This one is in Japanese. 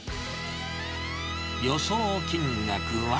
予想金額は？